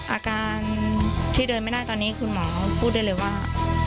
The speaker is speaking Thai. อาการที่เดินไม่ได้ตอนนี้คุณหมอพูดได้เลยว่า